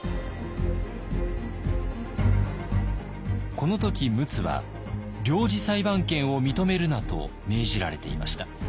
この時陸奥は「領事裁判権を認めるな」と命じられていました。